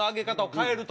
変えるの？